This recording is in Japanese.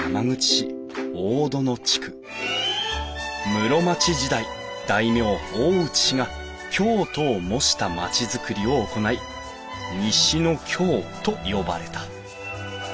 室町時代大名大内氏が京都を模した街づくりを行い西の京と呼ばれた。